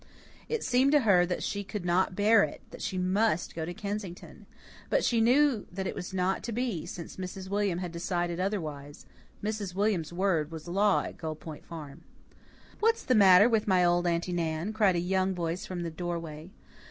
It seemed to her that she could not bear it, that she MUST go to Kensington. But she knew that it was not to be, since Mrs. William had decided otherwise. Mrs. William's word was law at Gull Point Farm. "What's the matter with my old Aunty Nan?" cried a hearty young voice from the doorway.